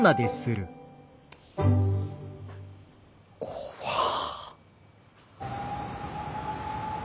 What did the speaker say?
怖っ。